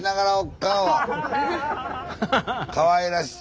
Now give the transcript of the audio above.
かわいらしい。